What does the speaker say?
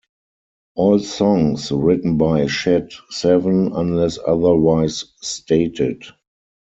All songs written by Shed Seven, unless otherwise stated.